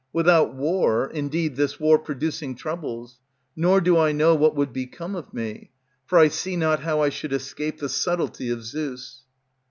Without war, indeed, this war, producing Troubles; nor do I know what would become of me; For I see not how I should escape the subtlety of Zeus.